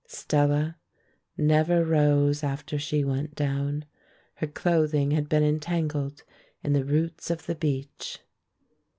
Stella never rose after she went down; her clothing had been entangled in the roots of the beech.